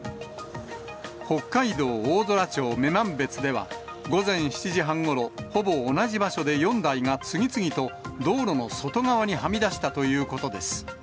北海道大空町女満別では午前７時半ごろ、ほぼ同じ場所で４台が次々と道路の外側にはみ出したということです。